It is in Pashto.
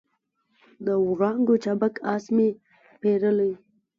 د وړانګو چابک آس مې پیرلی